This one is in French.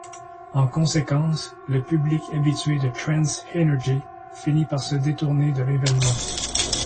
En conséquence, le public habitué de Trance Energy finit par se détourner de l'événement.